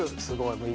すごい。